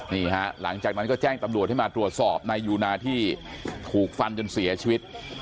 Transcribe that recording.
นี่ฮะหลังจากนั้นก็แจ้งตำรวจให้มาตรวจสอบนายยูนาที่ถูกฟันจนเสียชีวิต